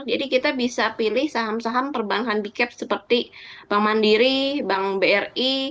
jadi kita bisa pilih saham saham perbankan bicaps seperti bank mandiri bank bri